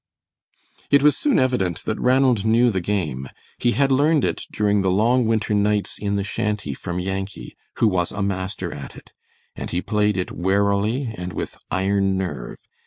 It was soon evident that Ranald knew the game. He had learned it during the long winter nights in the shanty from Yankee, who was a master at it, and he played it warily and with iron nerve.